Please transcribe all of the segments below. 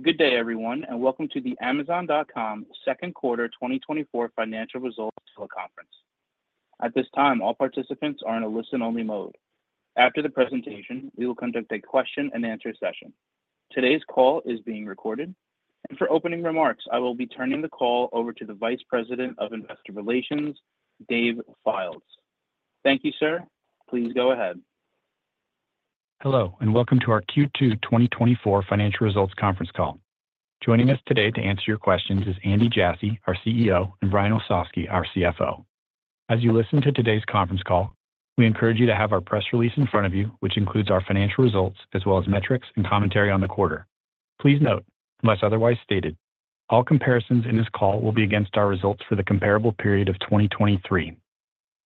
Good day, everyone, and welcome to the Amazon.com second quarter 2024 financial results teleconference. At this time, all participants are in a listen-only mode. After the presentation, we will conduct a question-and-answer session. Today's call is being recorded, and for opening remarks, I will be turning the call over to the Vice President of Investor Relations, Dave Fildes. Thank you, sir. Please go ahead. Hello, and welcome to our Q2 2024 financial results conference call. Joining us today to answer your questions is Andy Jassy, our CEO, and Brian Olsavsky, our CFO. As you listen to today's conference call, we encourage you to have our press release in front of you, which includes our financial results, as well as metrics and commentary on the quarter. Please note, unless otherwise stated, all comparisons in this call will be against our results for the comparable period of 2023.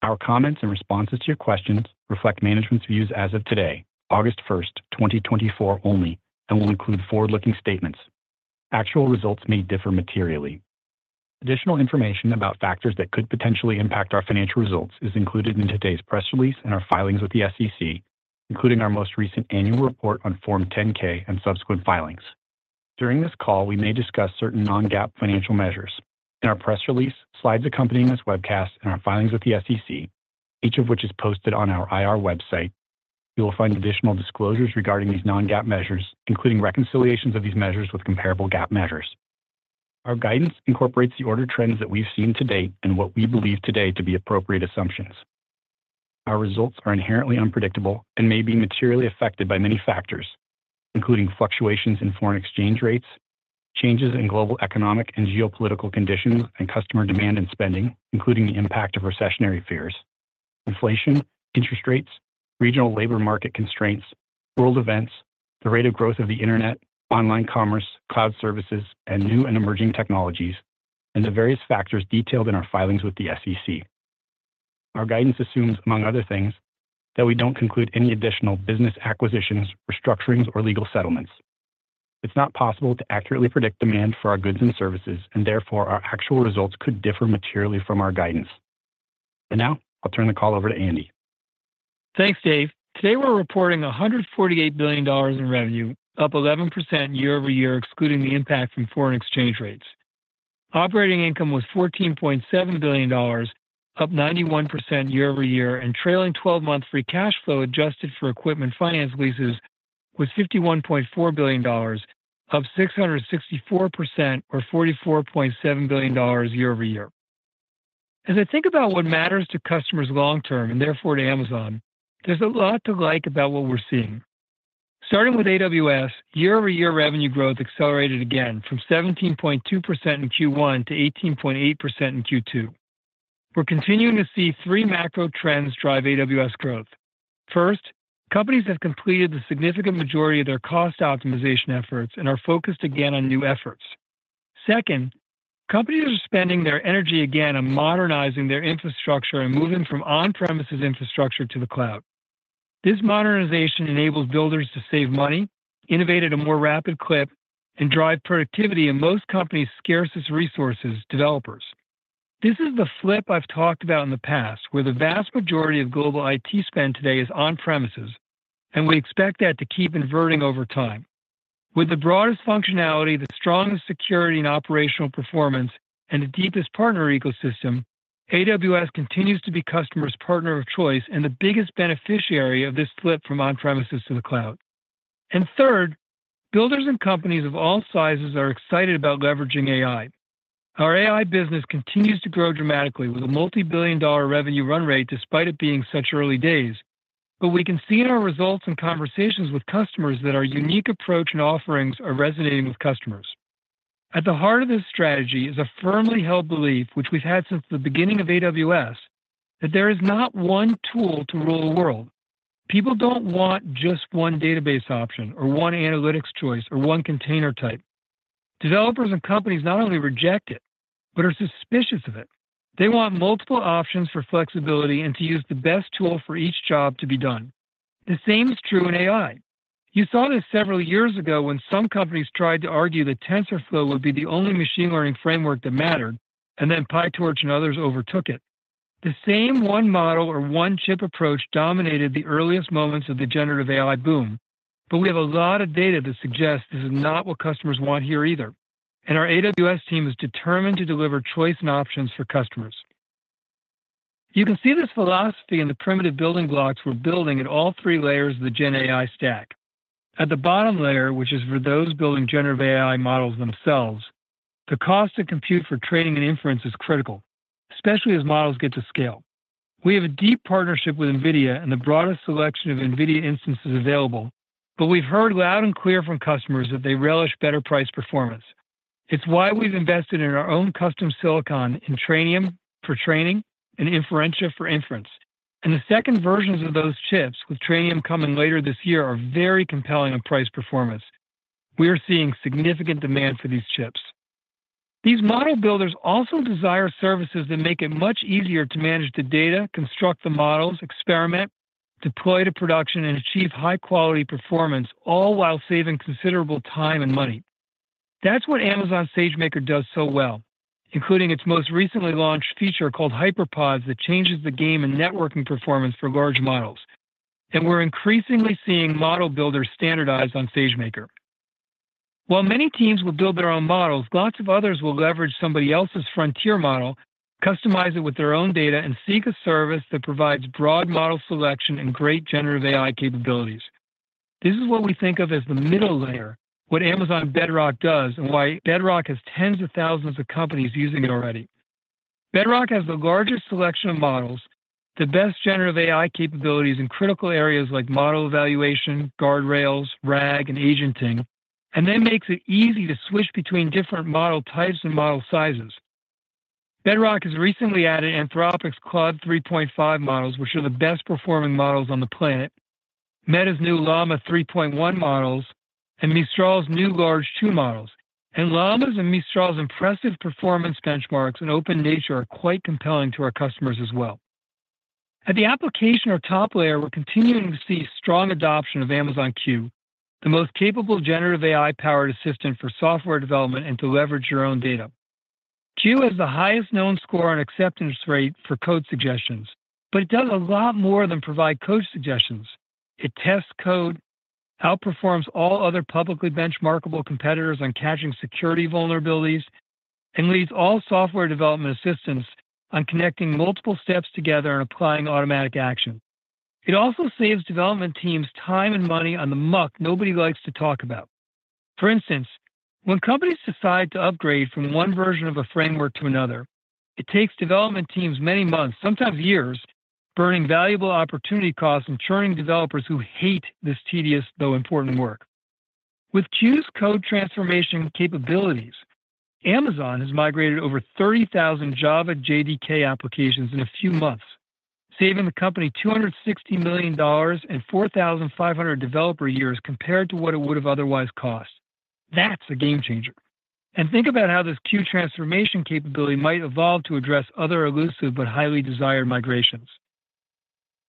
Our comments and responses to your questions reflect management's views as of today, August 1, 2024 only, and will include forward-looking statements. Actual results may differ materially. Additional information about factors that could potentially impact our financial results is included in today's press release and our filings with the SEC, including our most recent annual report on Form 10-K and subsequent filings. During this call, we may discuss certain Non-GAAP financial measures. In our press release, slides accompanying this webcast, and our filings with the SEC, each of which is posted on our IR website, you will find additional disclosures regarding these Non-GAAP measures, including reconciliations of these measures with comparable GAAP measures. Our guidance incorporates the order trends that we've seen to date and what we believe today to be appropriate assumptions. Our results are inherently unpredictable and may be materially affected by many factors, including fluctuations in foreign exchange rates, changes in global economic and geopolitical conditions and customer demand and spending, including the impact of recessionary fears, inflation, interest rates, regional labor market constraints, world events, the rate of growth of the internet, online commerce, cloud services, and new and emerging technologies, and the various factors detailed in our filings with the SEC. Our guidance assumes, among other things, that we don't conclude any additional business acquisitions, restructurings, or legal settlements. It's not possible to accurately predict demand for our goods and services, and therefore, our actual results could differ materially from our guidance. Now, I'll turn the call over to Andy. Thanks, Dave. Today, we're reporting $148 billion in revenue, up 11% year-over-year, excluding the impact from foreign exchange rates. Operating income was $14.7 billion, up 91% year-over-year, and trailing twelve-month free cash flow, adjusted for equipment finance leases, was $51.4 billion, up 664% or $44.7 billion year-over-year. As I think about what matters to customers long term, and therefore to Amazon, there's a lot to like about what we're seeing. Starting with AWS, year-over-year revenue growth accelerated again from 17.2% in Q1 to 18.8% in Q2. We're continuing to see three macro trends drive AWS growth. First, companies have completed the significant majority of their cost optimization efforts and are focused again on new efforts. Second, companies are spending their energy again on modernizing their infrastructure and moving from on-premises infrastructure to the cloud. This modernization enables builders to save money, innovate at a more rapid clip, and drive productivity in most companies' scarcest resources, developers. This is the flip I've talked about in the past, where the vast majority of global IT spend today is on-premises, and we expect that to keep inverting over time. With the broadest functionality, the strongest security and operational performance, and the deepest partner ecosystem, AWS continues to be customers' partner of choice and the biggest beneficiary of this flip from on-premises to the cloud. And third, builders and companies of all sizes are excited about leveraging AI. Our AI business continues to grow dramatically, with a multi-billion-dollar revenue run rate, despite it being such early days. But we can see in our results and conversations with customers that our unique approach and offerings are resonating with customers. At the heart of this strategy is a firmly held belief, which we've had since the beginning of AWS, that there is not one tool to rule the world. People don't want just one database option or one analytics choice, or one container type. Developers and companies not only reject it, but are suspicious of it. They want multiple options for flexibility and to use the best tool for each job to be done. The same is true in AI. You saw this several years ago when some companies tried to argue that TensorFlow would be the only machine learning framework that mattered, and then PyTorch and others overtook it. The same one model or one-chip approach dominated the earliest moments of the generative AI boom. We have a lot of data that suggests this is not what customers want here either, and our AWS team is determined to deliver choice and options for customers. You can see this philosophy in the primitive building blocks we're building at all three layers of the Gen AI stack. At the bottom layer, which is for those building generative AI models themselves, the cost to compute for training and inference is critical, especially as models get to scale. We have a deep partnership with NVIDIA and the broadest selection of NVIDIA instances available, but we've heard loud and clear from customers that they relish better price performance. It's why we've invested in our own custom silicon, in Trainium for training and Inferentia for inference, and the second versions of those chips, with Trainium coming later this year, are very compelling on price performance. We are seeing significant demand for these chips. These model builders also desire services that make it much easier to manage the data, construct the models, experiment, deploy to production, and achieve high-quality performance, all while saving considerable time and money. That's what Amazon SageMaker does so well, including its most recently launched feature called HyperPods, that changes the game in networking performance for large models. We're increasingly seeing model builders standardize on SageMaker. While many teams will build their own models, lots of others will leverage somebody else's frontier model, customize it with their own data, and seek a service that provides broad model selection and great generative AI capabilities. This is what we think of as the middle layer, what Amazon Bedrock does, and why Bedrock has tens of thousands of companies using it already. Bedrock has the largest selection of models, the best generative AI capabilities in critical areas like model evaluation, guardrails, RAG, and agenting, and then makes it easy to switch between different model types and model sizes. Bedrock has recently added Anthropic's Claude 3.5 models, which are the best-performing models on the planet, Meta's new Llama 3.1 models, and Mistral's new Large 2 models. Llama's and Mistral's impressive performance benchmarks and open nature are quite compelling to our customers as well. At the application or top layer, we're continuing to see strong adoption of Amazon Q, the most capable generative AI-powered assistant for software development and to leverage your own data. Q has the highest known score and acceptance rate for code suggestions, but it does a lot more than provide code suggestions. It tests code, outperforms all other publicly benchmarkable competitors on catching security vulnerabilities, and leads all software development assistants on connecting multiple steps together and applying automatic action. It also saves development teams time and money on the muck nobody likes to talk about. For instance, when companies decide to upgrade from one version of a framework to another, it takes development teams many months, sometimes years, burning valuable opportunity costs and churning developers who hate this tedious, though important work. With Q's code transformation capabilities, Amazon has migrated over 30,000 Java JDK applications in a few months, saving the company $260 million and 4,500 developer years compared to what it would have otherwise cost. That's a game changer! And think about how this Q transformation capability might evolve to address other elusive but highly desired migrations.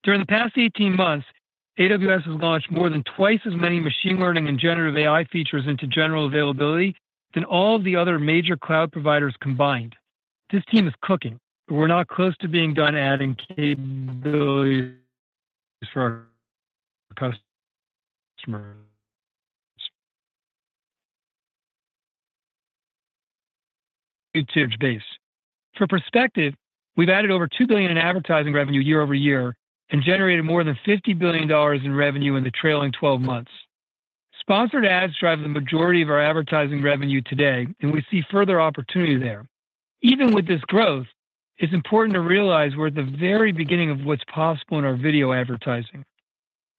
During the past 18 months, AWS has launched more than twice as many machine learning and generative AI features into general availability than all the other major cloud providers combined. This team is cooking. We're not close to being done adding capabilities for our customer base. For perspective, we've added over $2 billion in advertising revenue year-over-year and generated more than $50 billion in revenue in the trailing 12 months. Sponsored ads drive the majority of our advertising revenue today, and we see further opportunity there. Even with this growth, it's important to realize we're at the very beginning of what's possible in our video advertising.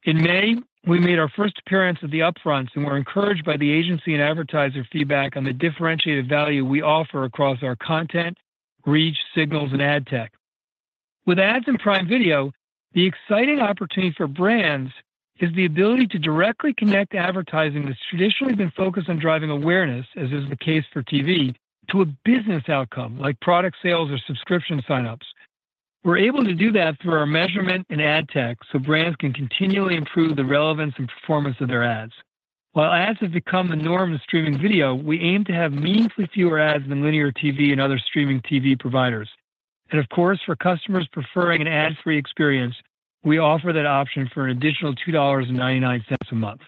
In May, we made our first appearance at the Upfronts, and we're encouraged by the agency and advertiser feedback on the differentiated value we offer across our content, reach, signals, and ad tech. With ads in Prime Video, the exciting opportunity for brands is the ability to directly connect advertising that's traditionally been focused on driving awareness, as is the case for TV, to a business outcome, like product sales or subscription sign-ups. We're able to do that through our measurement and ad tech, so brands can continually improve the relevance and performance of their ads. While ads have become the norm in streaming video, we aim to have meaningfully fewer ads than linear TV and other streaming TV providers. Of course, for customers preferring an ad-free experience, we offer that option for an additional $2.99 a month.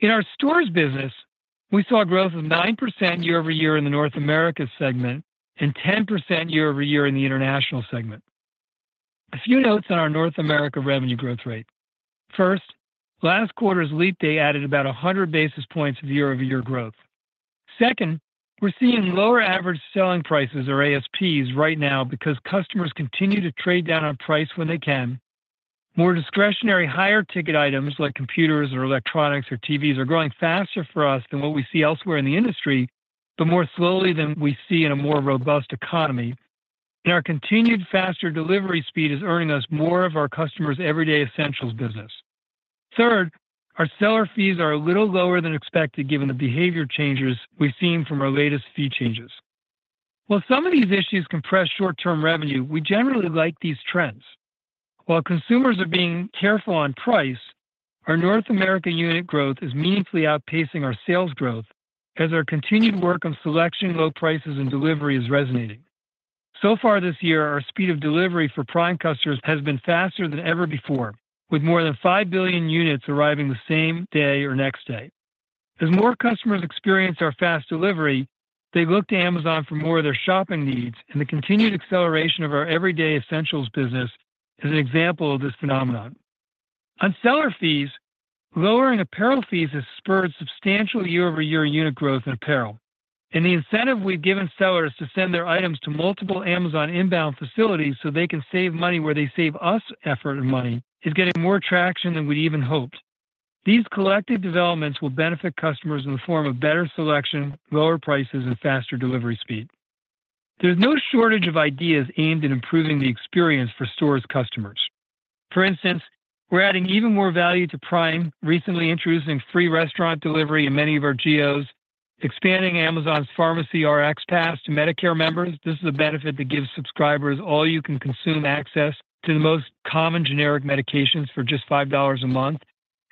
In our stores business, we saw a growth of 9% year-over-year in the North America segment and 10% year-over-year in the international segment. A few notes on our North America revenue growth rate. First, last quarter's leap day added about 100 basis points of year-over-year growth. Second, we're seeing lower average selling prices or ASPs right now because customers continue to trade down on price when they can. More discretionary, higher-ticket items like computers or electronics or TVs are growing faster for us than what we see elsewhere in the industry, but more slowly than we see in a more robust economy. Our continued faster delivery speed is earning us more of our customers' everyday essentials business. Third, our seller fees are a little lower than expected, given the behavior changes we've seen from our latest fee changes. While some of these issues compress short-term revenue, we generally like these trends. While consumers are being careful on price, our North America unit growth is meaningfully outpacing our sales growth as our continued work on selection, low prices, and delivery is resonating. So far this year, our speed of delivery for Prime customers has been faster than ever before, with more than 5 billion units arriving the same day or next day. As more customers experience our fast delivery, they look to Amazon for more of their shopping needs, and the continued acceleration of our everyday essentials business is an example of this phenomenon. On seller fees, lowering apparel fees has spurred substantial year-over-year unit growth in apparel. And the incentive we've given sellers to send their items to multiple Amazon inbound facilities so they can save money, where they save us effort and money, is getting more traction than we even hoped. These collective developments will benefit customers in the form of better selection, lower prices, and faster delivery speed. There's no shortage of ideas aimed at improving the experience for stores' customers. For instance, we're adding even more value to Prime, recently introducing free restaurant delivery in many of our geos, expanding Amazon Pharmacy RxPass to Medicare members. This is a benefit that gives subscribers all-you-can-consume access to the most common generic medications for just $5 a month,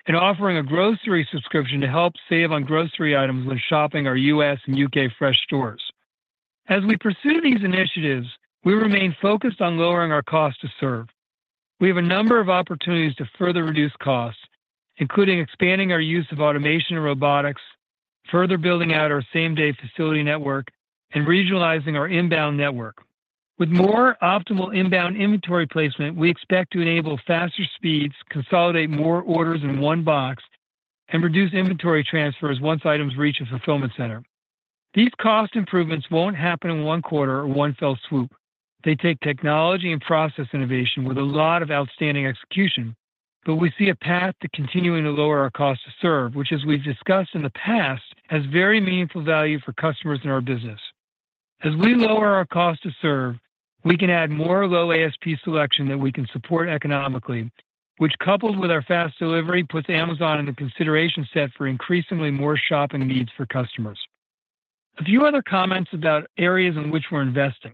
and offering a grocery subscription to help save on grocery items when shopping our U.S. and U.K. fresh stores. As we pursue these initiatives, we remain focused on lowering our cost to serve. We have a number of opportunities to further reduce costs, including expanding our use of automation and robotics, further building out our same-day facility network, and regionalizing our inbound network. With more optimal inbound inventory placement, we expect to enable faster speeds, consolidate more orders in one box, and reduce inventory transfers once items reach a fulfillment center. These cost improvements won't happen in one quarter or one fell swoop. They take technology and process innovation with a lot of outstanding execution. But we see a path to continuing to lower our cost to serve, which, as we've discussed in the past, has very meaningful value for customers in our business. As we lower our cost to serve, we can add more low ASP selection that we can support economically, which, coupled with our fast delivery, puts Amazon in the consideration set for increasingly more shopping needs for customers. A few other comments about areas in which we're investing.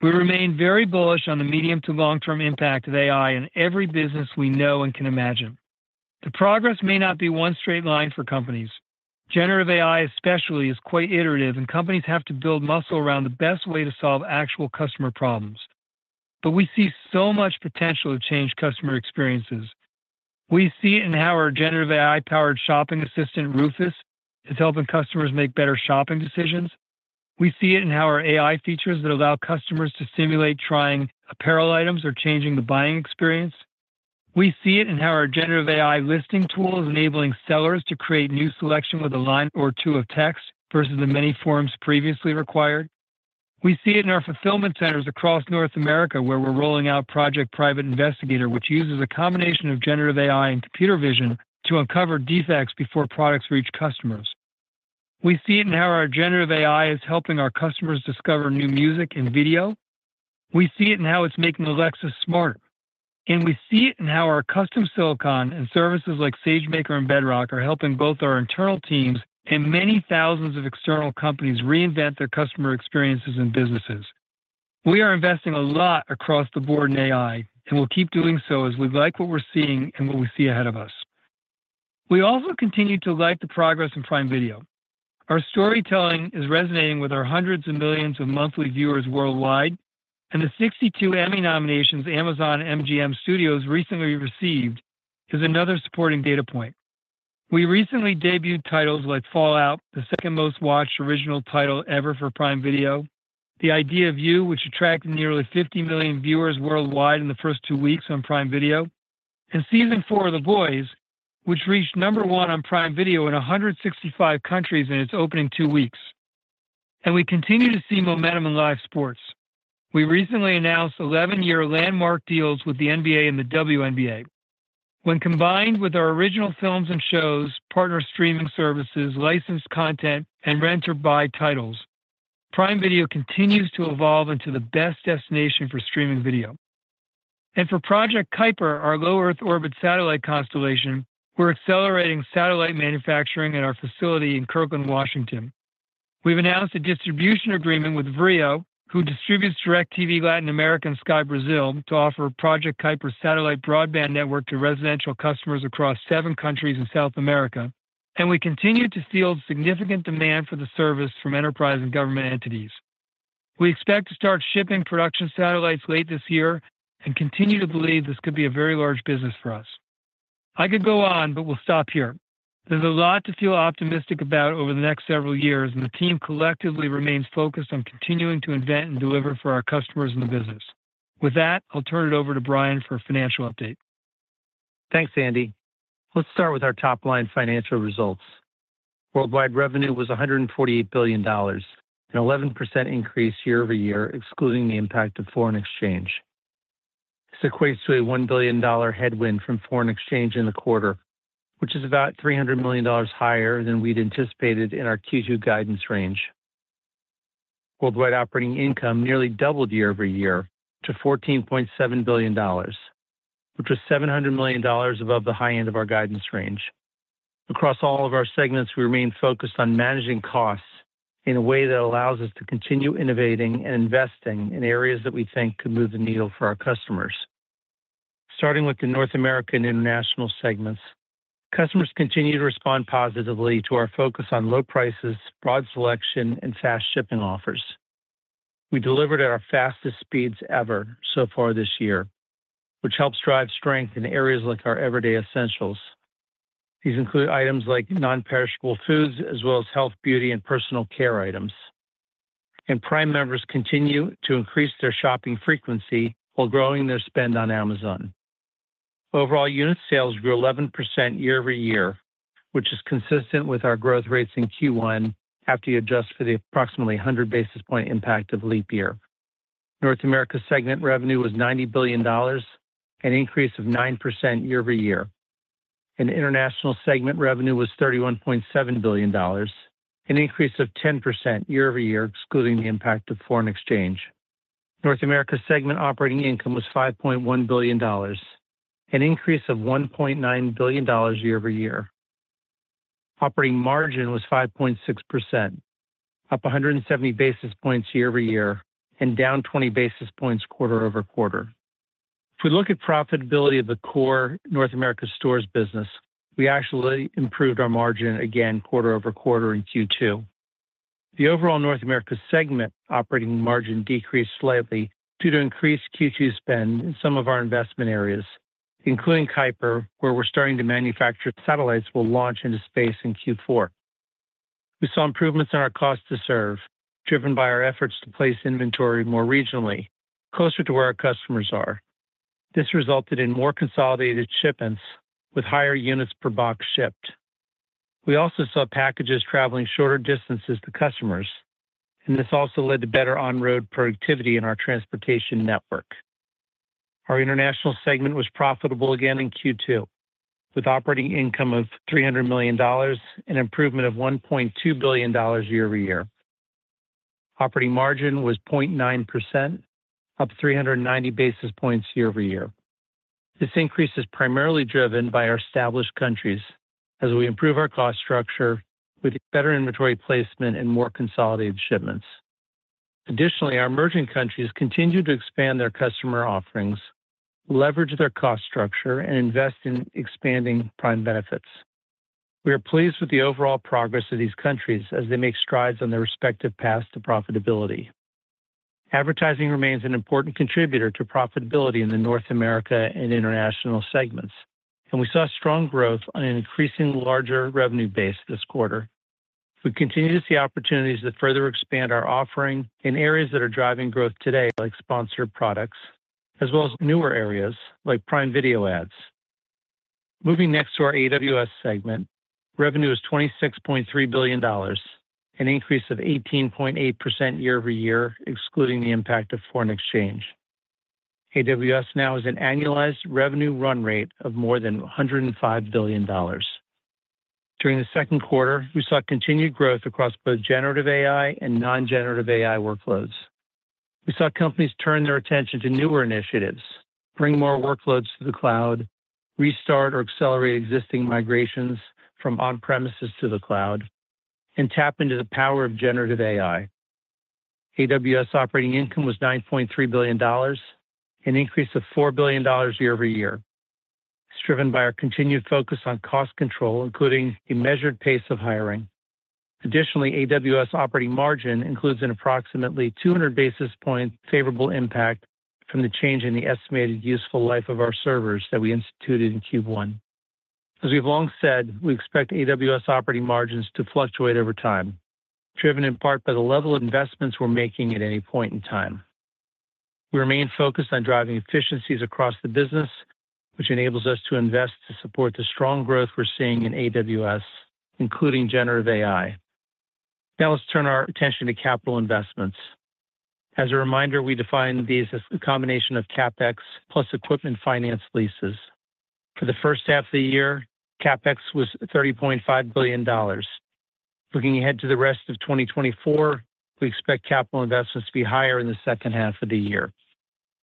We remain very bullish on the medium to long-term impact of AI in every business we know and can imagine. The progress may not be one straight line for companies. Generative AI, especially, is quite iterative, and companies have to build muscle around the best way to solve actual customer problems. But we see so much potential to change customer experiences. We see it in how our generative AI-powered shopping assistant, Rufus, is helping customers make better shopping decisions. We see it in how our AI features that allow customers to simulate trying apparel items are changing the buying experience. We see it in how our generative AI listing tool is enabling sellers to create new selection with a line or two of text versus the many forms previously required. We see it in our fulfillment centers across North America, where we're rolling out Project Private Investigator, which uses a combination of generative AI and computer vision to uncover defects before products reach customers. We see it in how our generative AI is helping our customers discover new music and video. We see it in how it's making Alexa smarter, and we see it in how our custom silicon and services like SageMaker and Bedrock are helping both our internal teams and many thousands of external companies reinvent their customer experiences and businesses. We are investing a lot across the board in AI, and we'll keep doing so as we like what we're seeing and what we see ahead of us. We also continue to like the progress in Prime Video. Our storytelling is resonating with our hundreds of millions of monthly viewers worldwide, and the 62 Emmy nominations Amazon MGM Studios recently received is another supporting data point. We recently debuted titles like Fallout, the second most-watched original title ever for Prime Video, The Idea of You, which attracted nearly 50 million viewers worldwide in the first 2 weeks on Prime Video, and Season 4 of The Boys, which reached number 1 on Prime Video in 165 countries in its opening 2 weeks. We continue to see momentum in live sports. We recently announced 11-year landmark deals with the NBA and the WNBA. When combined with our original films and shows, partner streaming services, licensed content, and rent or buy titles, Prime Video continues to evolve into the best destination for streaming video. For Project Kuiper, our low Earth orbit satellite constellation, we're accelerating satellite manufacturing at our facility in Kirkland, Washington. We've announced a distribution agreement with Vrio, who distributes DirecTV Latin America and SKY Brasil, to offer Project Kuiper satellite broadband network to residential customers across seven countries in South America, and we continue to field significant demand for the service from enterprise and government entities. We expect to start shipping production satellites late this year and continue to believe this could be a very large business for us. I could go on, but we'll stop here. There's a lot to feel optimistic about over the next several years, and the team collectively remains focused on continuing to invent and deliver for our customers and the business. With that, I'll turn it over to Brian for a financial update. Thanks, Andy. Let's start with our top-line financial results. Worldwide revenue was $148 billion, an 11% increase year-over-year, excluding the impact of foreign exchange. This equates to a $1 billion headwind from foreign exchange in the quarter, which is about $300 million higher than we'd anticipated in our Q2 guidance range. Worldwide operating income nearly doubled year-over-year to $14.7 billion, which was $700 million above the high end of our guidance range. Across all of our segments, we remain focused on managing costs in a way that allows us to continue innovating and investing in areas that we think could move the needle for our customers. Starting with the North America and International segments, customers continue to respond positively to our focus on low prices, broad selection, and fast shipping offers. We delivered at our fastest speeds ever so far this year, which helps drive strength in areas like our Everyday Essentials. These include items like non-perishable foods, as well as health, beauty, and personal care items. Prime members continue to increase their shopping frequency while growing their spend on Amazon. Overall, unit sales grew 11% year-over-year, which is consistent with our growth rates in Q1 after you adjust for the approximately 100 basis point impact of leap year. North America segment revenue was $90 billion, an increase of 9% year-over-year, and international segment revenue was $31.7 billion, an increase of 10% year-over-year, excluding the impact of foreign exchange. North America segment operating income was $5.1 billion, an increase of $1.9 billion year-over-year. Operating margin was 5.6%, up 170 basis points year-over-year and down 20 basis points quarter-over-quarter. If we look at profitability of the core North America stores business, we actually improved our margin again quarter-over-quarter in Q2. The overall North America segment operating margin decreased slightly due to increased Q2 spend in some of our investment areas, including Kuiper, where we're starting to manufacture satellites we'll launch into space in Q4. We saw improvements in our cost to serve, driven by our efforts to place inventory more regionally, closer to where our customers are. This resulted in more consolidated shipments with higher units per box shipped. We also saw packages traveling shorter distances to customers, and this also led to better on-road productivity in our transportation network. Our international segment was profitable again in Q2, with operating income of $300 million, an improvement of $1.2 billion year-over-year. Operating margin was 0.9%, up 390 basis points year-over-year. This increase is primarily driven by our established countries as we improve our cost structure with better inventory placement and more consolidated shipments. Additionally, our emerging countries continue to expand their customer offerings, leverage their cost structure, and invest in expanding Prime benefits. We are pleased with the overall progress of these countries as they make strides on their respective paths to profitability. Advertising remains an important contributor to profitability in the North America and international segments, and we saw strong growth on an increasingly larger revenue base this quarter. We continue to see opportunities to further expand our offering in areas that are driving growth today, like sponsored products, as well as newer areas like Prime Video ads. Moving next to our AWS segment, revenue is $26.3 billion, an increase of 18.8% year-over-year, excluding the impact of foreign exchange. AWS now has an annualized revenue run rate of more than $105 billion. During the second quarter, we saw continued growth across both generative AI and non-generative AI workloads. We saw companies turn their attention to newer initiatives, bring more workloads to the cloud, restart or accelerate existing migrations from on-premises to the cloud, and tap into the power of generative AI. AWS operating income was $9.3 billion, an increase of $4 billion year-over-year. It's driven by our continued focus on cost control, including a measured pace of hiring. Additionally, AWS operating margin includes an approximately 200 basis points favorable impact from the change in the estimated useful life of our servers that we instituted in Q1. As we've long said, we expect AWS operating margins to fluctuate over time, driven in part by the level of investments we're making at any point in time. We remain focused on driving efficiencies across the business, which enables us to invest to support the strong growth we're seeing in AWS, including generative AI. Now, let's turn our attention to capital investments. As a reminder, we define these as a combination of CapEx plus equipment finance leases. For the first half of the year, CapEx was $30.5 billion. Looking ahead to the rest of 2024, we expect capital investments to be higher in the second half of the year.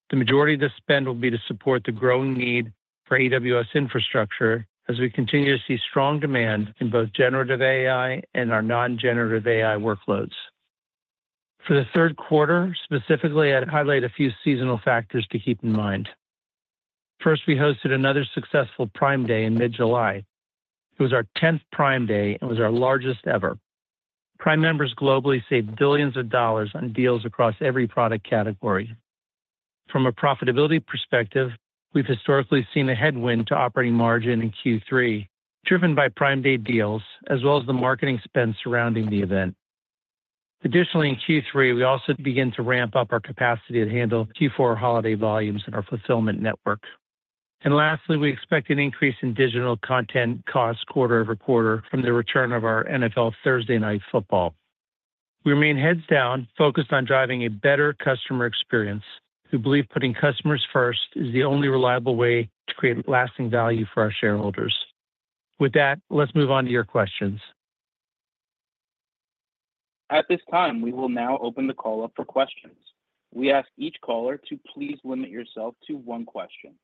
The majority of this spend will be to support the growing need for AWS infrastructure as we continue to see strong demand in both generative AI and our non-generative AI workloads. For the third quarter, specifically, I'd highlight a few seasonal factors to keep in mind. First, we hosted another successful Prime Day in mid-July. It was our 10th Prime Day and was our largest ever. Prime members globally saved billions of dollars on deals across every product category. From a profitability perspective, we've historically seen a headwind to operating margin in Q3, driven by Prime Day deals, as well as the marketing spend surrounding the event. Additionally, in Q3, we also begin to ramp up our capacity to handle Q4 holiday volumes in our fulfillment network. Lastly, we expect an increase in digital content costs quarter over quarter from the return of our NFL Thursday Night Football. We remain heads down, focused on driving a better customer experience. We believe putting customers first is the only reliable way to create lasting value for our shareholders. With that, let's move on to your questions. At this time, we will now open the call up for questions. We ask each caller to please limit yourself to one question.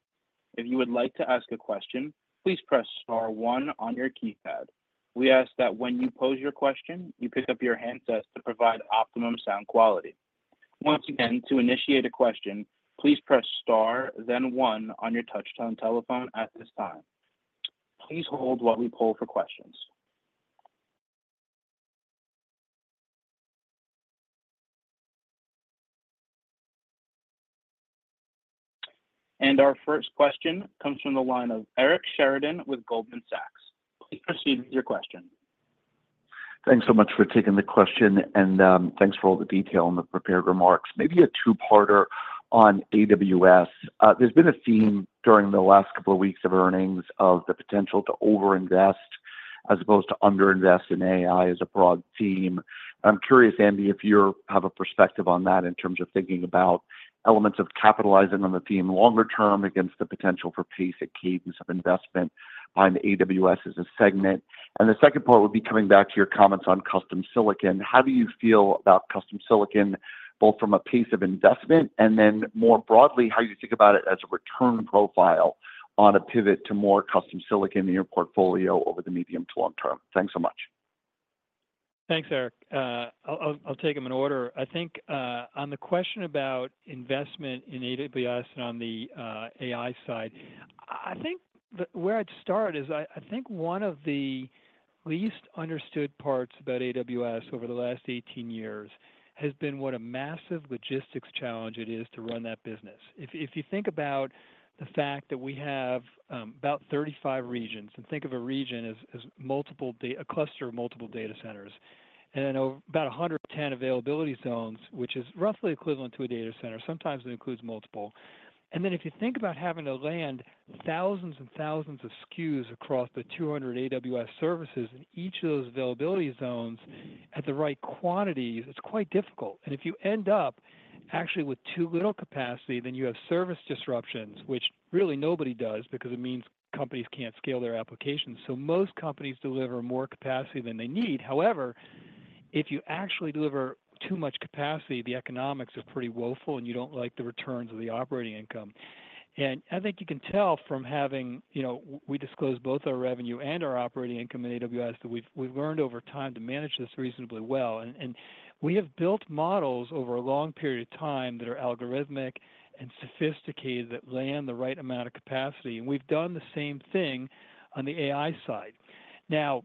If you would like to ask a question, please press star one on your keypad. We ask that when you pose your question, you pick up your handset to provide optimum sound quality. Once again, to initiate a question, please press star, then one on your touchtone telephone at this time. Please hold while we poll for questions. Our first question comes from the line of Eric Sheridan with Goldman Sachs. Please proceed with your question. Thanks so much for taking the question, and thanks for all the detail in the prepared remarks. Maybe a two-parter on AWS. There's been a theme during the last couple of weeks of earnings of the potential to overinvest as opposed to underinvest in AI as a broad theme. I'm curious, Andy, if you have a perspective on that in terms of thinking about elements of capitalizing on the theme longer term against the potential for pace and cadence of investment on AWS as a segment. And the second part would be coming back to your comments on custom silicon. How do you feel about custom silicon, both from a pace of investment, and then more broadly, how you think about it as a return profile on a pivot to more custom silicon in your portfolio over the medium to long term? Thanks so much.... Thanks, Eric. I'll take them in order. I think on the question about investment in AWS and on the AI side, I think that where I'd start is I think one of the least understood parts about AWS over the last 18 years has been what a massive logistics challenge it is to run that business. If you think about the fact that we have about 35 regions, and think of a region as a cluster of multiple data centers, and about 110 availability zones, which is roughly equivalent to a data center, sometimes it includes multiple. And then if you think about having to land thousands and thousands of SKUs across the 200 AWS services in each of those availability zones at the right quantities, it's quite difficult. If you end up actually with too little capacity, then you have service disruptions, which really nobody does, because it means companies can't scale their applications. Most companies deliver more capacity than they need. However, if you actually deliver too much capacity, the economics are pretty woeful, and you don't like the returns of the operating income. I think you can tell from having... You know, we disclose both our revenue and our operating income in AWS, that we've, we've learned over time to manage this reasonably well. And, and we have built models over a long period of time that are algorithmic and sophisticated, that land the right amount of capacity, and we've done the same thing on the AI side. Now,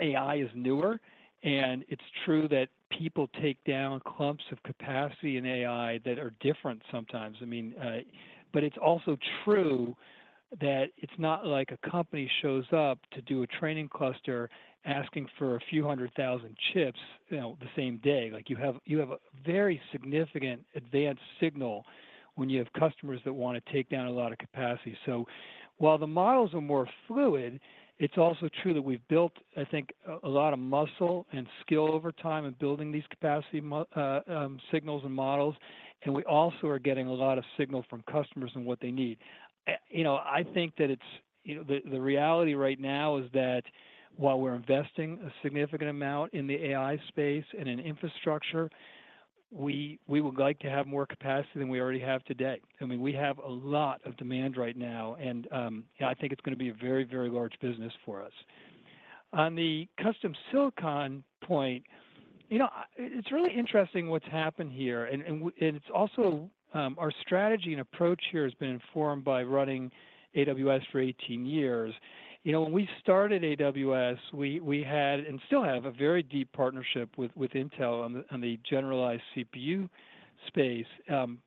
AI is newer, and it's true that people take down clumps of capacity in AI that are different sometimes. I mean, but it's also true that it's not like a company shows up to do a training cluster asking for a few hundred thousand chips, you know, the same day. Like, you have a very significant advanced signal when you have customers that wanna take down a lot of capacity. So while the models are more fluid, it's also true that we've built, I think, a lot of muscle and skill over time in building these capacity signals and models, and we also are getting a lot of signal from customers on what they need. You know, I think that it's, you know, the reality right now is that while we're investing a significant amount in the AI space and in infrastructure, we would like to have more capacity than we already have today. I mean, we have a lot of demand right now, and I think it's gonna be a very, very large business for us. On the custom silicon point, you know, it's really interesting what's happened here, and it's also our strategy and approach here has been informed by running AWS for 18 years. You know, when we started AWS, we had, and still have, a very deep partnership with Intel on the generalized CPU space.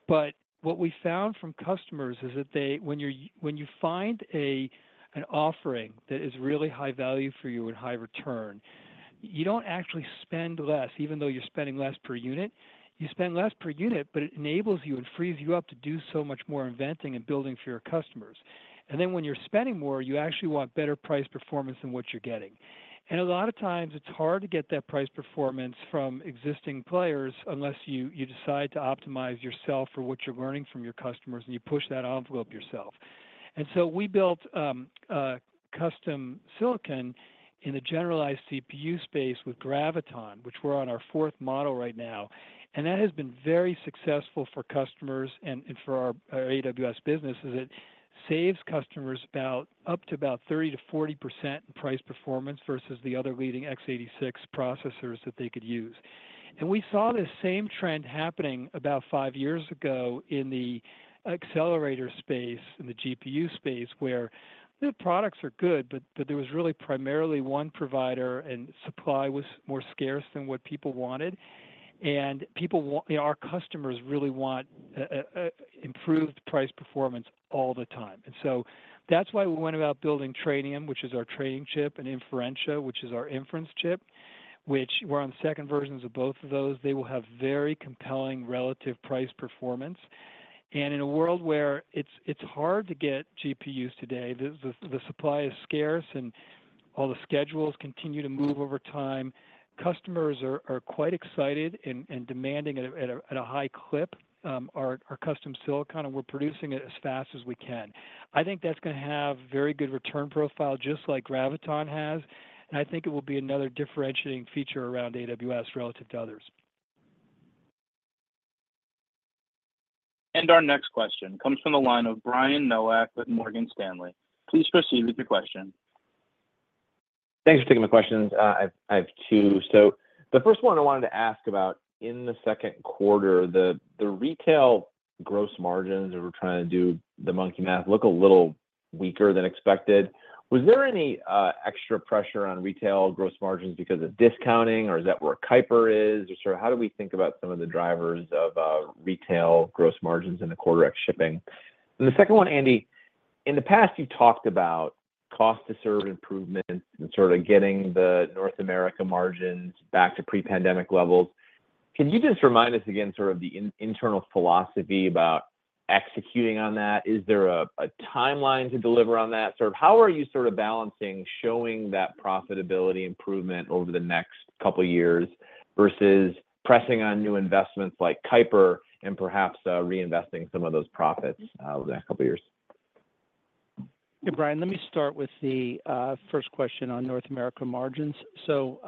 But what we found from customers is that they... When you find an offering that is really high value for you and high return, you don't actually spend less, even though you're spending less per unit. You spend less per unit, but it enables you and frees you up to do so much more inventing and building for your customers. And then when you're spending more, you actually want better price performance than what you're getting. A lot of times, it's hard to get that price performance from existing players unless you, you decide to optimize yourself for what you're learning from your customers, and you push that envelope yourself. So we built custom silicon in a generalized CPU space with Graviton, which we're on our fourth model right now, and that has been very successful for customers and for our AWS business, as it saves customers about up to about 30%-40% in price performance versus the other leading x86 processors that they could use. And we saw this same trend happening about five years ago in the accelerator space, in the GPU space, where the products are good, but there was really primarily one provider, and supply was more scarce than what people wanted. And our customers really want improved price performance all the time. And so that's why we went about building Trainium, which is our training chip, and Inferentia, which is our inference chip, which we're on second versions of both of those. They will have very compelling relative price performance. In a world where it's hard to get GPUs today, the supply is scarce, and all the schedules continue to move over time, customers are quite excited and demanding at a high clip our custom silicon, and we're producing it as fast as we can. I think that's gonna have very good return profile, just like Graviton has, and I think it will be another differentiating feature around AWS relative to others. Our next question comes from the line of Brian Nowak with Morgan Stanley. Please proceed with your question. Thanks for taking my questions. I have two. So the first one I wanted to ask about, in the second quarter, the retail gross margins, and we're trying to do the monkey math, look a little weaker than expected. Was there any extra pressure on retail gross margins because of discounting, or is that where Kuiper is? Or sort of how do we think about some of the drivers of retail gross margins in the quarter at shipping? And the second one, Andy, in the past, you've talked about cost to serve improvements and sort of getting the North America margins back to pre-pandemic levels. Can you just remind us again, sort of the internal philosophy about executing on that? Is there a timeline to deliver on that? Sort of, how are you sort of balancing showing that profitability improvement over the next couple of years versus pressing on new investments like Kuiper and perhaps reinvesting some of those profits over the next couple of years? Yeah, Brian, let me start with the first question on North America margins. So,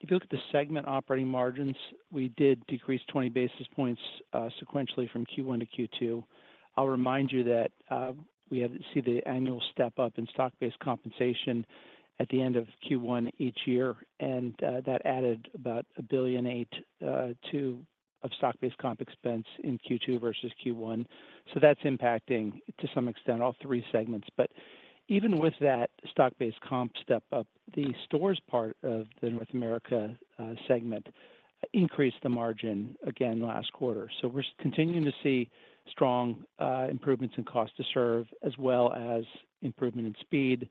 if you look at the segment operating margins, we did decrease 20 basis points sequentially from Q1 to Q2. I'll remind you that we had to see the annual step up in stock-based compensation at the end of Q1 each year, and that added about $1.82 billion of stock-based comp expense in Q2 versus Q1. So that's impacting, to some extent, all three segments. But even with that stock-based comp step up, the stores part of the North America segment increased the margin again last quarter. So we're continuing to see strong improvements in cost to serve, as well as improvement in speed,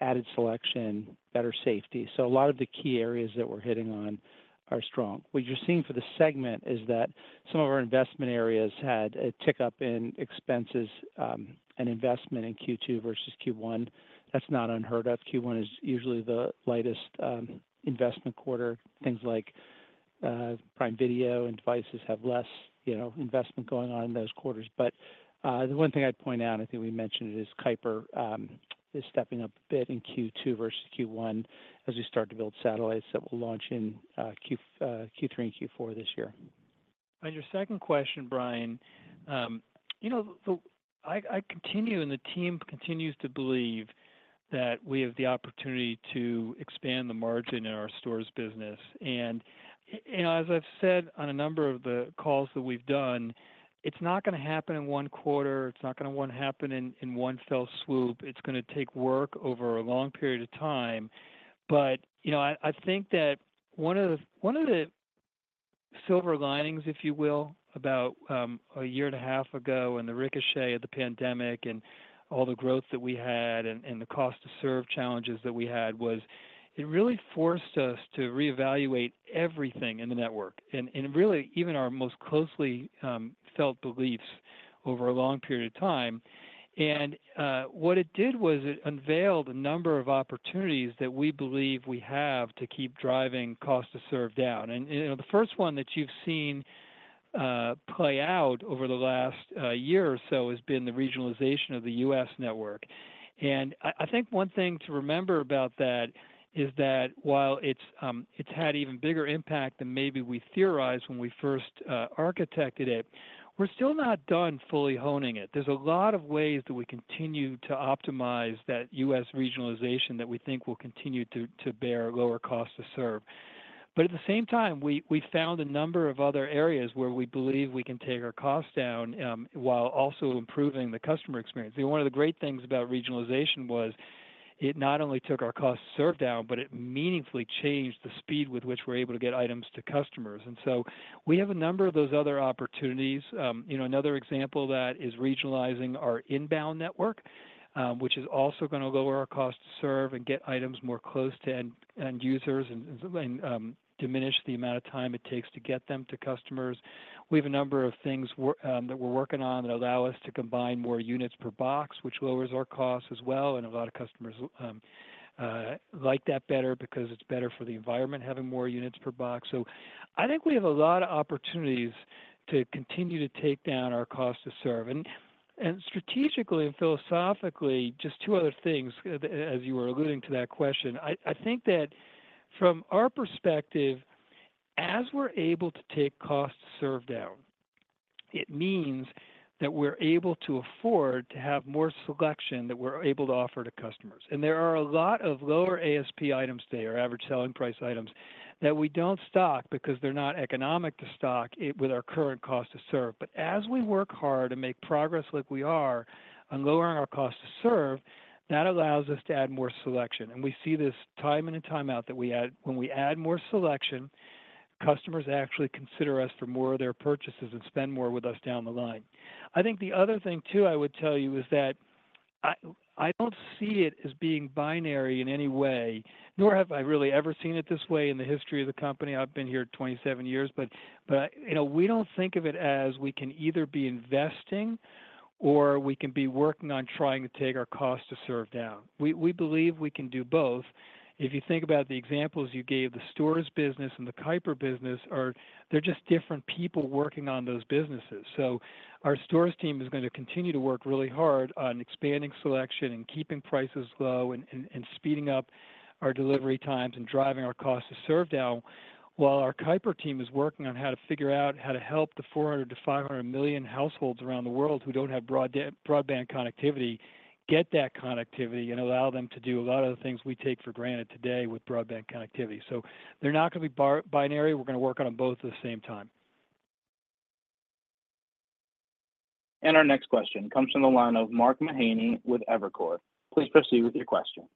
added selection, better safety. So a lot of the key areas that we're hitting on are strong. What you're seeing for the segment is that some of our investment areas had a tick up in expenses and investment in Q2 versus Q1. That's not unheard of. Q1 is usually the lightest investment quarter. Things like Prime Video and Devices have less, you know, investment going on in those quarters. But the one thing I'd point out, I think we mentioned it, is Kuiper is stepping up a bit in Q2 versus Q1 as we start to build satellites that will launch in Q3 and Q4 this year. On your second question, Brian, you know, I continue, and the team continues to believe that we have the opportunity to expand the margin in our stores business. And as I've said on a number of the calls that we've done, it's not gonna happen in one quarter. It's not gonna wanna happen in one fell swoop. It's gonna take work over a long period of time. But, you know, I think that one of the silver linings, if you will, about a year and a half ago, and the ricochet of the pandemic, and all the growth that we had, and the cost to serve challenges that we had, was it really forced us to reevaluate everything in the network and really even our most closely felt beliefs over a long period of time. And what it did was it unveiled a number of opportunities that we believe we have to keep driving cost to serve down. And, you know, the first one that you've seen play out over the last year or so has been the regionalization of the U.S. network. I think one thing to remember about that is that while it's had even bigger impact than maybe we theorized when we first architected it, we're still not done fully honing it. There's a lot of ways that we continue to optimize that US regionalization that we think will continue to bear lower cost to serve. But at the same time, we found a number of other areas where we believe we can take our costs down while also improving the customer experience. One of the great things about regionalization was it not only took our cost to serve down, but it meaningfully changed the speed with which we're able to get items to customers. And so we have a number of those other opportunities. You know, another example of that is regionalizing our inbound network, which is also gonna lower our cost to serve and get items more close to end users and diminish the amount of time it takes to get them to customers. We have a number of things that we're working on that allow us to combine more units per box, which lowers our cost as well, and a lot of customers like that better because it's better for the environment, having more units per box. So I think we have a lot of opportunities to continue to take down our cost to serve. Strategically and philosophically, just two other things, as you were alluding to that question, I think that from our perspective, as we're able to take cost to serve down, it means that we're able to afford to have more selection that we're able to offer to customers. And there are a lot of lower ASP items there, average selling price items, that we don't stock because they're not economic to stock it with our current cost to serve. But as we work hard and make progress like we are on lowering our cost to serve, that allows us to add more selection. And we see this time in and time out, that when we add more selection, customers actually consider us for more of their purchases and spend more with us down the line. I think the other thing too, I would tell you, is that I, I don't see it as being binary in any way, nor have I really ever seen it this way in the history of the company. I've been here 27 years, but, but, you know, we don't think of it as we can either be investing or we can be working on trying to take our cost to serve down. We, we believe we can do both. If you think about the examples you gave, the stores business and the Kuiper business are. They're just different people working on those businesses. So our stores team is gonna continue to work really hard on expanding selection and keeping prices low and speeding up our delivery times and driving our cost to serve down, while our Kuiper team is working on how to figure out how to help the 400-500 million households around the world who don't have broadband connectivity, get that connectivity and allow them to do a lot of the things we take for granted today with broadband connectivity. So they're not gonna be binary. We're gonna work on them both at the same time. Our next question comes from the line of Mark Mahaney with Evercore. Please proceed with your question.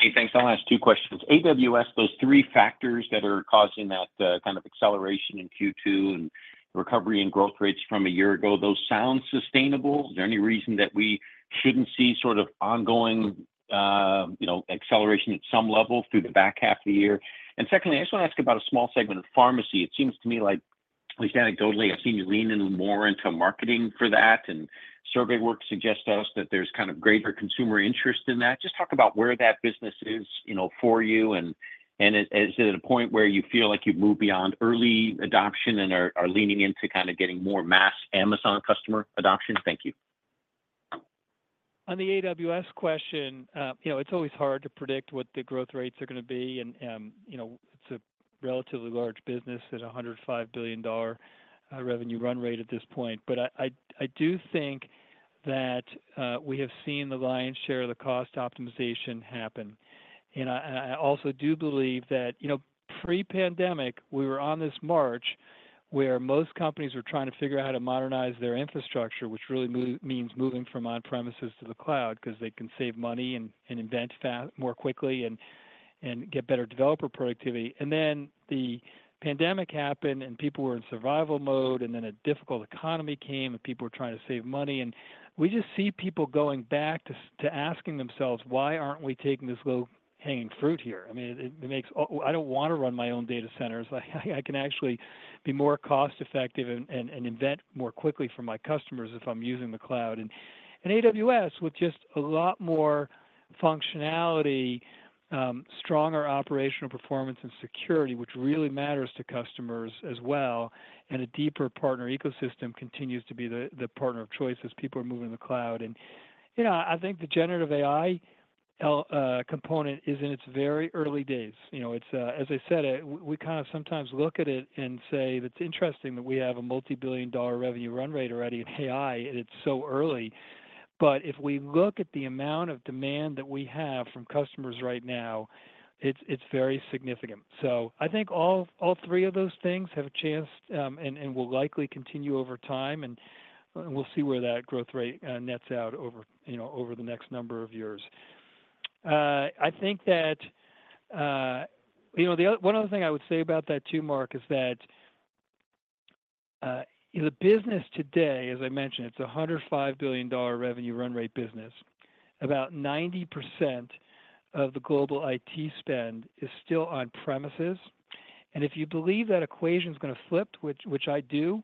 Hey, thanks. I'll ask two questions. AWS, those three factors that are causing that, kind of acceleration in Q2 and recovery and growth rates from a year ago, those sound sustainable? Is there any reason that we shouldn't see sort of ongoing, you know, acceleration at some level through the back half of the year? And secondly, I just want to ask about a small segment of pharmacy. It seems to me, like, at least anecdotally, I've seen you lean in more into marketing for that, and survey work suggests to us that there's kind of greater consumer interest in that. Just talk about where that business is, you know, for you, and, and is it at a point where you feel like you've moved beyond early adoption and are, are leaning into kind of getting more mass Amazon customer adoption? Thank you. On the AWS question, you know, it's always hard to predict what the growth rates are gonna be. You know, it's a relatively large business at $105 billion revenue run rate at this point. But I do think that we have seen the lion's share of the cost optimization happen... and I also do believe that, you know, pre-pandemic, we were on this march where most companies were trying to figure out how to modernize their infrastructure, which really means moving from on-premises to the cloud, 'cause they can save money and invent fast more quickly and get better developer productivity. And then the pandemic happened, and people were in survival mode, and then a difficult economy came, and people were trying to save money. We just see people going back to asking themselves: "Why aren't we taking this low-hanging fruit here?" I mean, I don't wanna run my own data centers. I can actually be more cost-effective and invent more quickly for my customers if I'm using the cloud. And AWS, with just a lot more functionality, stronger operational performance and security, which really matters to customers as well, and a deeper partner ecosystem continues to be the partner of choice as people are moving to the cloud. And, you know, I think the generative AI component is in its very early days. You know, it's As I said, we kind of sometimes look at it and say, "It's interesting that we have a multi-billion dollar revenue run rate already in AI, and it's so early." But if we look at the amount of demand that we have from customers right now, it's very significant. So I think all three of those things have a chance, and will likely continue over time, and we'll see where that growth rate nets out over, you know, over the next number of years. I think that, you know, one other thing I would say about that, too, Mark, is that in the business today, as I mentioned, it's a $105 billion revenue run rate business. About 90% of the global IT spend is still on premises, and if you believe that equation's gonna flip, which I do,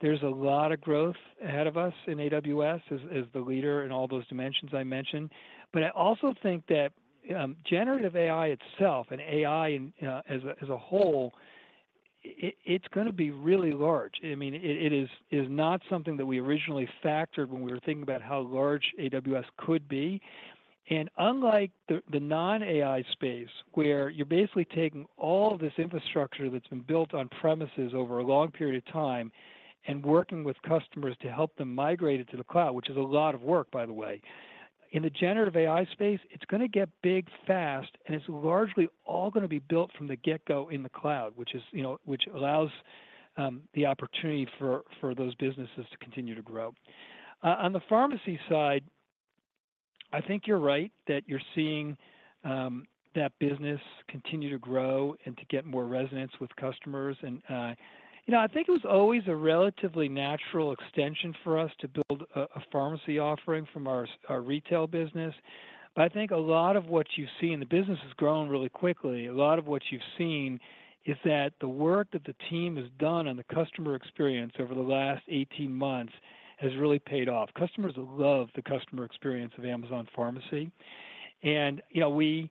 there's a lot of growth ahead of us in AWS, as the leader in all those dimensions I mentioned. But I also think that generative AI itself and AI in as a whole, it's gonna be really large. I mean, it is not something that we originally factored when we were thinking about how large AWS could be. And unlike the non-AI space, where you're basically taking all this infrastructure that's been built on premises over a long period of time and working with customers to help them migrate it to the cloud, which is a lot of work, by the way, in the generative AI space, it's gonna get big fast, and it's largely all gonna be built from the get-go in the cloud, which is, you know, which allows the opportunity for those businesses to continue to grow. On the pharmacy side, I think you're right, that you're seeing that business continue to grow and to get more resonance with customers. And, you know, I think it was always a relatively natural extension for us to build a pharmacy offering from our retail business. But I think a lot of what you see, and the business has grown really quickly, a lot of what you've seen is that the work that the team has done on the customer experience over the last 18 months has really paid off. Customers love the customer experience of Amazon Pharmacy. And, you know, we,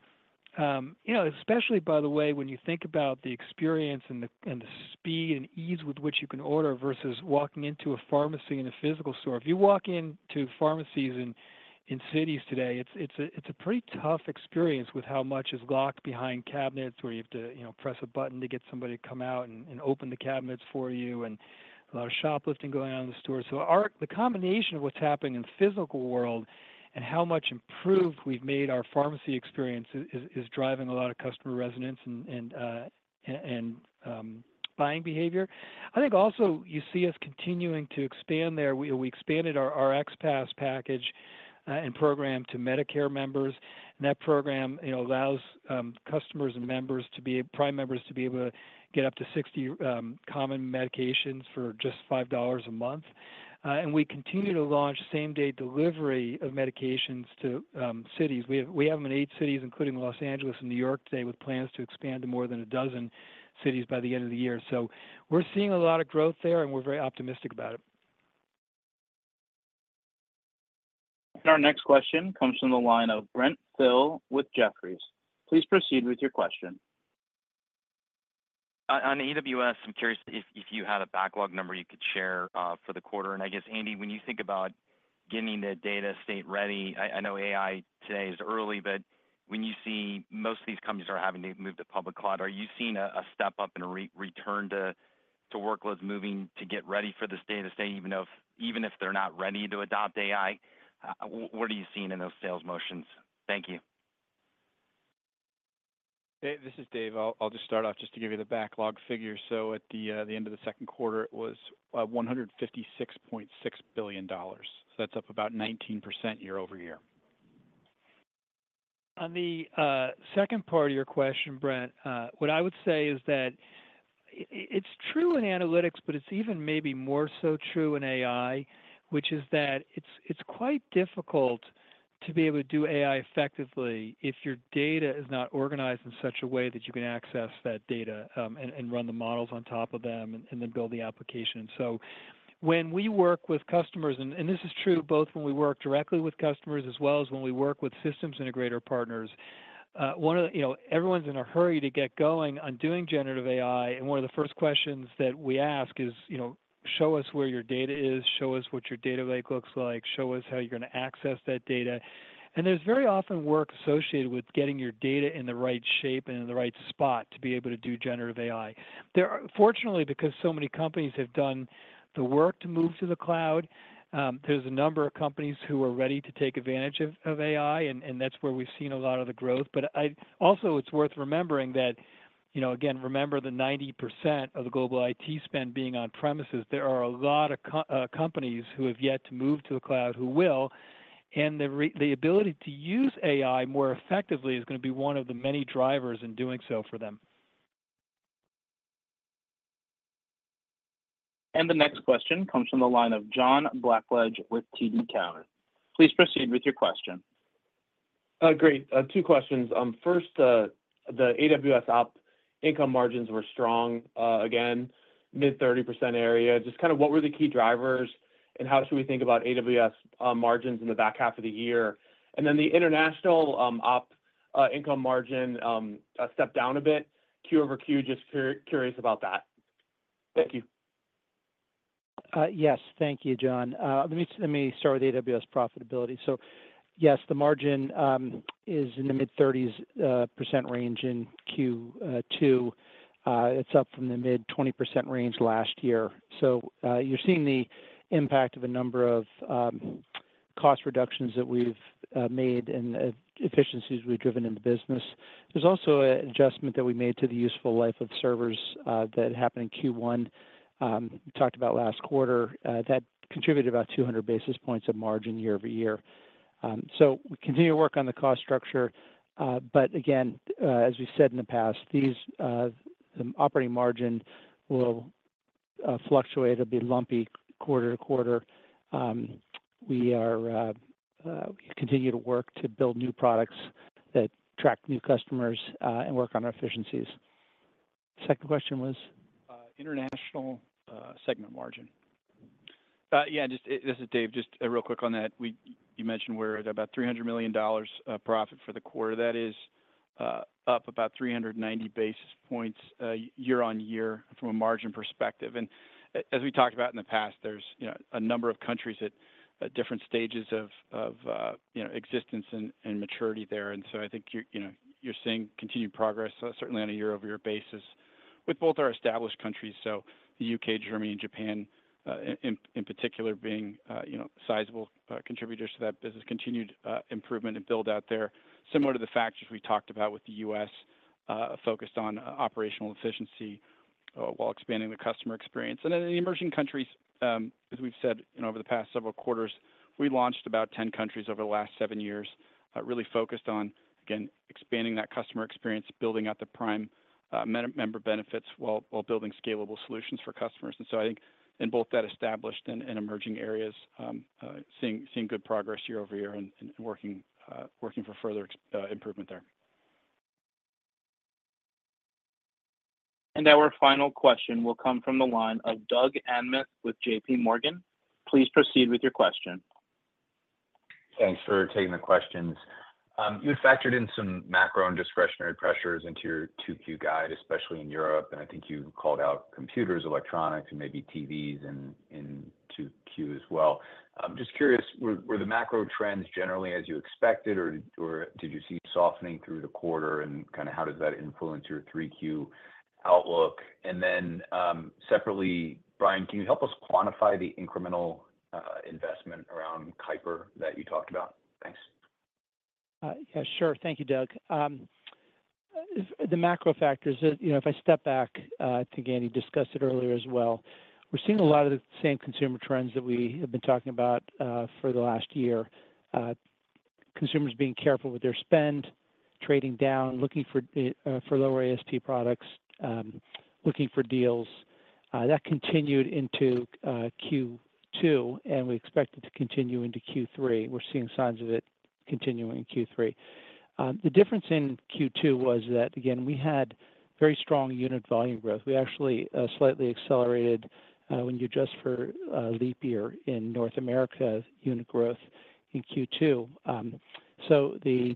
you know, especially, by the way, when you think about the experience and the speed and ease with which you can order versus walking into a pharmacy in a physical store. If you walk into pharmacies in cities today, it's a pretty tough experience with how much is locked behind cabinets, where you have to, you know, press a button to get somebody to come out and open the cabinets for you, and a lot of shoplifting going on in the store. So the combination of what's happening in the physical world and how much improved we've made our pharmacy experience is driving a lot of customer resonance and buying behavior. I think also you see us continuing to expand there. We expanded our RxPass package and program to Medicare members. And that program, it allows customers and members to be Prime members to be able to get up to 60 common medications for just $5 a month. And we continue to launch same-day delivery of medications to cities. We have them in eight cities, including Los Angeles and New York today, with plans to expand to more than 12 cities by the end of the year. So we're seeing a lot of growth there, and we're very optimistic about it. Our next question comes from the line of Brent Thill with Jefferies. Please proceed with your question. On AWS, I'm curious if you had a backlog number you could share for the quarter. And I guess, Andy, when you think about getting the data estate ready, I know AI today is early, but when you see most of these companies are having to move to public cloud, are you seeing a step-up and a return to workloads moving to get ready for this data state, even if they're not ready to adopt AI? What are you seeing in those sales motions? Thank you. Hey, this is Dave. I'll just start off just to give you the backlog figure. So at the end of the second quarter, it was $156.6 billion. So that's up about 19% year-over-year. On the second part of your question, Brent, what I would say is that it, it's true in analytics, but it's even maybe more so true in AI, which is that it's quite difficult to be able to do AI effectively if your data is not organized in such a way that you can access that data, and run the models on top of them, and then build the application. So when we work with customers, and this is true both when we work directly with customers, as well as when we work with systems integrator partners, one of the... You know, everyone's in a hurry to get going on doing generative AI, and one of the first questions that we ask is, you know- ... Show us where your data is, show us what your data lake looks like, show us how you're gonna access that data. And there's very often work associated with getting your data in the right shape and in the right spot to be able to do generative AI. Fortunately, because so many companies have done the work to move to the cloud, there's a number of companies who are ready to take advantage of AI, and that's where we've seen a lot of the growth. But also, it's worth remembering that, you know, again, remember, the 90% of the global IT spend being on premises, there are a lot of companies who have yet to move to the cloud who will, and the ability to use AI more effectively is gonna be one of the many drivers in doing so for them. The next question comes from the line of John Blackledge with TD Cowen. Please proceed with your question. Great. Two questions. First, the AWS op income margins were strong, again, mid-30% area. Just kind of what were the key drivers, and how should we think about AWS margins in the back half of the year? And then the international op income margin stepped down a bit, Q-over-Q. Just curious about that. Thank you. Yes. Thank you, John. Let me start with AWS profitability. So yes, the margin is in the mid-30s% range in Q2. It's up from the mid-20s% range last year. So, you're seeing the impact of a number of cost reductions that we've made and efficiencies we've driven in the business. There's also an adjustment that we made to the useful life of servers that happened in Q1, we talked about last quarter, that contributed about 200 basis points of margin year-over-year. So we continue to work on the cost structure, but again, as we've said in the past, these operating margin will fluctuate. It'll be lumpy quarter-to-quarter. We are, we continue to work to build new products that attract new customers, and work on our efficiencies. Second question was? International, segment margin. Yeah, just, this is Dave. Just, real quick on that. You mentioned we're at about $300 million profit for the quarter. That is, up about 390 basis points, year on year from a margin perspective. And as we talked about in the past, there's, you know, a number of countries at different stages of, uh, you know, existence and maturity there. And so I think you're, you know, you're seeing continued progress, certainly on a year-over-year basis with both our established countries, so the UK, Germany, and Japan, in particular, being, you know, sizable contributors to that business. Continued improvement and build-out there, similar to the factors we talked about with the US, focused on operational efficiency, while expanding the customer experience. And then in the emerging countries, as we've said, you know, over the past several quarters, we launched about 10 countries over the last 7 years, really focused on, again, expanding that customer experience, building out the Prime member benefits, while building scalable solutions for customers. And so I think in both that established and emerging areas, seeing good progress year over year and working for further improvement there. Our final question will come from the line of Doug Anmuth with J.P. Morgan. Please proceed with your question. Thanks for taking the questions. You had factored in some macro and discretionary pressures into your 2Q guide, especially in Europe, and I think you called out computers, electronics, and maybe TVs in 2Q as well. I'm just curious, were the macro trends generally as you expected, or did you see softening through the quarter, and kinda how does that influence your 3Q outlook? And then, separately, Brian, can you help us quantify the incremental investment around Kuiper that you talked about? Thanks. Yeah, sure. Thank you, Doug. The macro factors is, you know, if I step back, I think Andy discussed it earlier as well. We're seeing a lot of the same consumer trends that we have been talking about for the last year. Consumers being careful with their spend, trading down, looking for for lower ASP products, looking for deals. That continued into Q2, and we expect it to continue into Q3. We're seeing signs of it continuing in Q3. The difference in Q2 was that, again, we had very strong unit volume growth. We actually slightly accelerated when you adjust for a leap year in North America unit growth in Q2. So the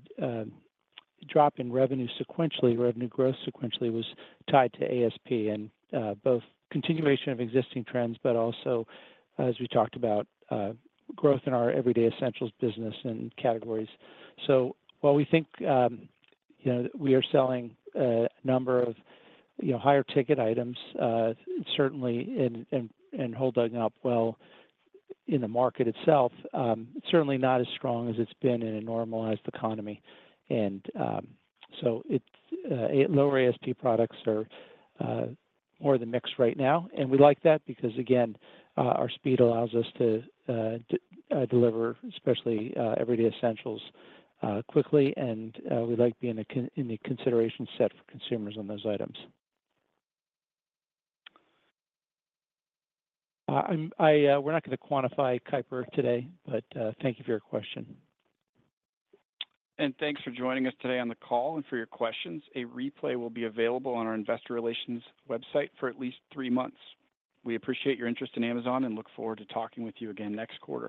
drop in revenue sequentially, revenue growth sequentially, was tied to ASP and both continuation of existing trends, but also, as we talked about, growth in our everyday essentials business and categories. So while we think, you know, we are selling a number of, you know, higher ticket items, certainly, and holding up well in the market itself, certainly not as strong as it's been in a normalized economy. So it's lower ASP products are more the mix right now, and we like that because, again, our speed allows us to deliver, especially, everyday essentials, quickly, and we like being in the consideration set for consumers on those items. We're not gonna quantify Kuiper today, but thank you for your question. Thanks for joining us today on the call and for your questions. A replay will be available on our investor relations website for at least three months. We appreciate your interest in Amazon, and look forward to talking with you again next quarter.